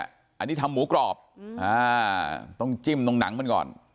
อันนี้ทำหมูกรอบต้องจิ้มตรงหนังมันก่อน